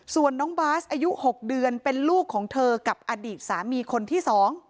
ส่วนน้องบาสอายุ๖เดือนเป็นลูกของเธอกับอดีตสามีคนที่๒